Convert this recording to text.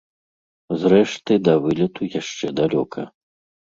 Зрэшты, да вылету яшчэ далёка.